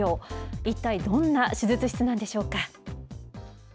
一体どんな手術室なんでしょうか。